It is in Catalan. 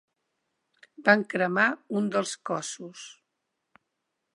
Van cremar un dels cossos.